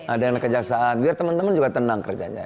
ada yang kejaksaan biar teman teman juga tenang kerjanya